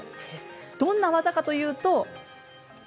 どんな技かというと。